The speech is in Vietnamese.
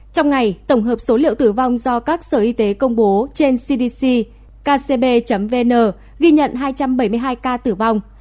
trong ngày tổng hợp số liệu tử vong do các sở y tế công bố trên cdc kcb vn ghi nhận hai trăm bảy mươi hai ca tử vong